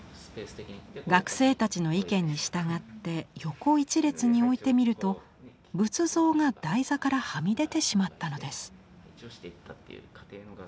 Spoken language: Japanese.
学生たちの意見にしたがって横一列に置いてみると仏像が台座からはみ出てしまったのです。